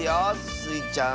スイちゃん